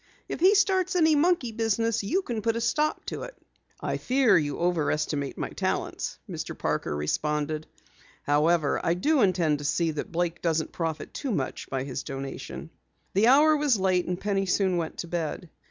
"If he starts any monkey business you can put a quick stop to it." "I fear you overestimate my talents," Mr. Parker responded. "However, I do intend to see that Blake doesn't profit too much by his donation." The hour was late and Penny soon went to bed.